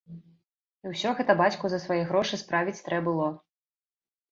І ўсё гэта бацьку за свае грошы справіць трэ было.